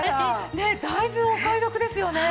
ねえだいぶお買い得ですよね。